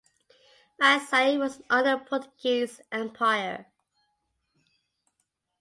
Vasai was under the Portuguese empire.